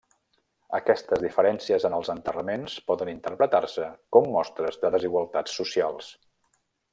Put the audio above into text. Aquestes diferències en els enterraments poden interpretar-se com mostres de desigualtats socials.